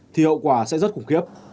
thì hậu quả sẽ rất khủng khiếp